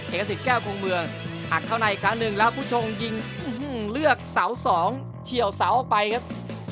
เอกสิทธิแก้วคงเมืองหักเข้าในอีกครั้งหนึ่งแล้วผู้ชงยิงเลือกเสาสองเฉียวเสาออกไปครับ